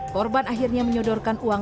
korban akhirnya menyodorkan uang